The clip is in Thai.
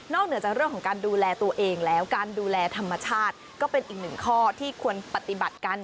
เหนือจากเรื่องของการดูแลตัวเองแล้วการดูแลธรรมชาติก็เป็นอีกหนึ่งข้อที่ควรปฏิบัติกัน